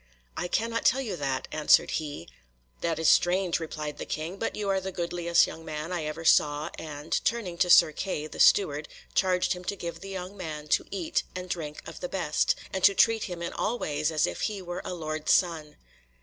"I cannot tell you that," answered he. "That is strange," replied the King, "but you are the goodliest young man I ever saw," and, turning to Sir Kay, the steward, charged him to give the young man to eat and drink of the best, and to treat him in all ways as if he were a lord's son.